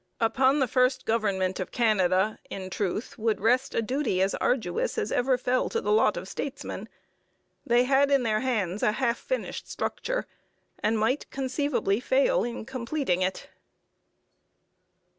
Upon the first government of Canada, in truth, would rest a duty as arduous as ever fell to the lot of statesmen. They had in their hands a half finished structure, and might, conceivably, fail in completing it.